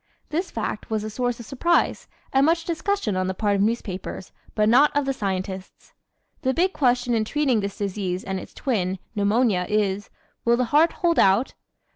This fact was a source of surprise and much discussion on the part of newspapers, but not of the scientists. The big question in treating this disease and its twin, Pneumonia, is: will the heart hold out?